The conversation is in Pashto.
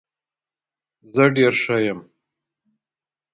زه ډیر ښه یم.